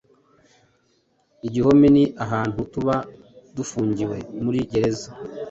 Igihome ni ahantu tuba dufungiwe (muri gereza)